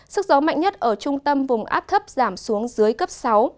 sức gió mạnh nhất ở trung tâm vùng áp thấp giảm xuống dưới cấp sáu